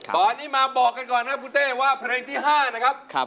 ตอนนี้มาบอกกันก่อนนะครับคุณเต้ว่าเพลงที่๕นะครับ